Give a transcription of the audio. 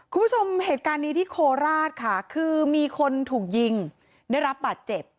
คุณผู้ชมเหตุการณ์นี้ที่โคราชค่ะคือมีคนถูกยิงได้รับบาดเจ็บ